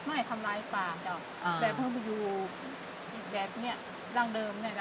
แบบนี้อยู่แบบนี้ร่างเดิม